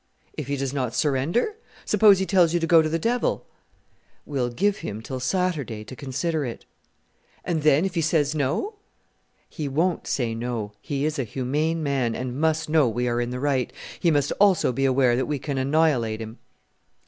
"If he does not surrender? Suppose he tells you to go to the devil?" "We'll give him till Saturday to consider it." "And then, if he says no?" "He won't say no: he is a humane man, and must know we are in the right. He must also be aware that we can annihilate him."